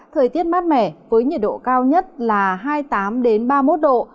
thời tiết mát mẻ với nhiệt độ cao nhất là hai mươi tám ba mươi một độ